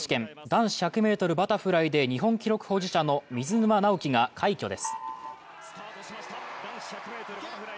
男子１００ｍバタフライで日本記録保持者の水沼尚輝が快挙です。